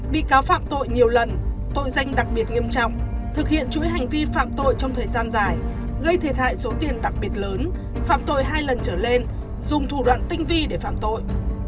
bị cáo phạm tội nhiều lần tội danh đặc biệt nghiêm trọng thực hiện chuỗi hành vi phạm tội trong thời gian dài gây thiệt hại số tiền đặc biệt lớn phạm tội hai lần trở lên dùng thủ đoạn tinh vi để phạm tội